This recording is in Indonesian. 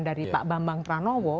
dari pak bambang ranowo